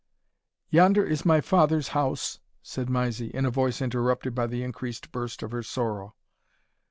"Yonder is my father's house," said Mysie, in a voice interrupted by the increased burst of her sorrow.